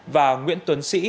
và nguyễn tuấn sĩ